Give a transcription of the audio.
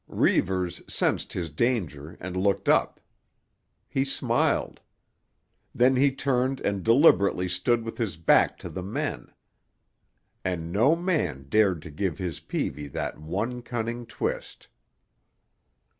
Reivers sensed his danger and looked up. He smiled. Then he turned and deliberately stood with his back to the men. And no man dared to give his peavey that one cunning twist.